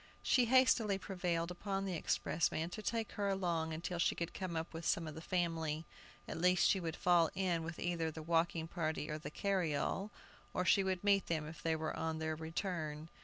She hastily prevailed upon the expressman to take her along until she should come up with some of the family. At least she would fall in with either the walking party or the carryall, or she would meet them if they were on their return.